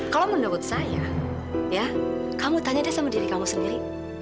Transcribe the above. kalau menurut saya ya kamu tanya deh sama diri kamu sendiri